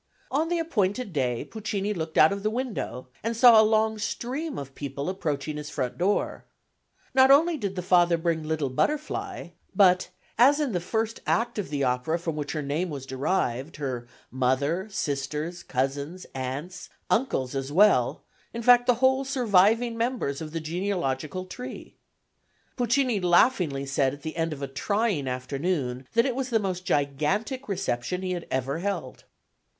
On the appointed day Puccini looked out of the window and saw a long stream of people approaching his front door. Not only did the father bring little "Butterfly," but, as in the first act of the opera from which her name was derived, her mother, sisters, cousins, aunts, uncles, as well in fact the whole surviving members of the genealogical tree. Puccini laughingly said at the end of a trying afternoon that it was the most gigantic reception he had ever held.